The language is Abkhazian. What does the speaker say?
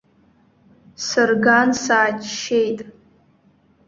Сырган, сааччеит.